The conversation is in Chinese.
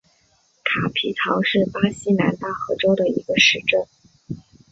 卡皮唐是巴西南大河州的一个市镇。